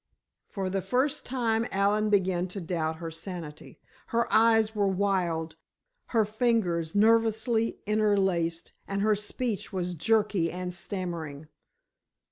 For the first time Allen began to doubt her sanity. Her eyes were wild, her fingers nervously interlaced and her speech was jerky and stammering.